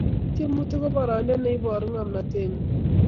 Tiemutik ko boroindo ne iboru ngomnotengung